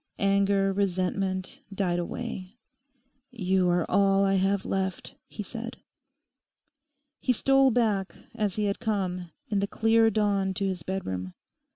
Anger, resentment died away. 'You are all I have left,' he said. He stole back, as he had come, in the clear dawn to his bedroom.